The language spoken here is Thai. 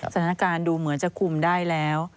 สถานการณ์ดูเหมือนจะคุมได้แล้ว